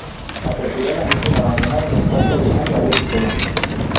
Apresuradamente abandonaron el cuarto, dejando a Betty sola.